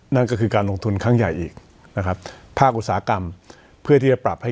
นั่นก็คือการลงทุนครั้งใหญ่อีกนะครับภาคอุตสาหกรรมเพื่อที่จะปรับให้